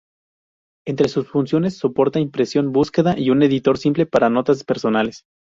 Entre sus funciones, soporta impresión, búsqueda y un editor simple para notas personales